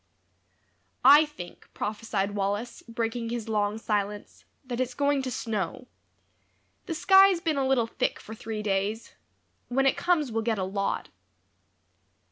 "I think," prophesied Wallace, breaking his long silence, "that it's going to snow. The sky's been a little thick for three days; when it comes we'll get a lot."